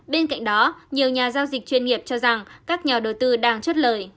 bên cạnh đó nhiều nhà giao dịch chuyên nghiệp cho rằng các nhà đầu tư đang chất lời